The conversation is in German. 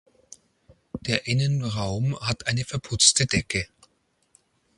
Der Innenraum hat eine verputzte Decke.